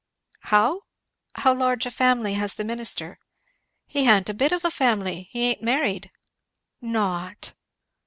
"How?" "How large a family has the minister?" "He ha'n't a bit of a family! He ain't married." "Not!"